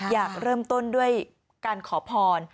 อยากเริ่มต้นด้วยการขอพร